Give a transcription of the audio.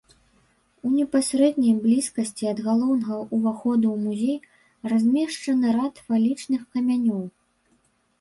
У непасрэднай блізкасці ад галоўнага ўваходу ў музей размешчаны рад фалічных камянёў.